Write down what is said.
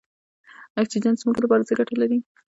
اکسیجن زموږ لپاره څه ګټه لري.